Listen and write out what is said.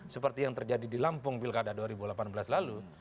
seperti yang terjadi di lampung pilkada dua ribu delapan belas lalu